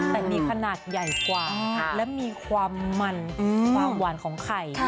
แต่มีขนาดใหญ่กว่าและมีความมันความหวานของไข่